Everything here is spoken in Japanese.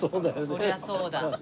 そりゃそうだ。